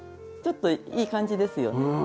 ちょっといい感じですよね？